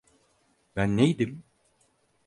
Ben neydim?